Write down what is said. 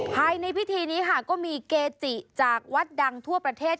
ภายในพิธีนี้ค่ะก็มีเกจิจากวัดดังทั่วประเทศ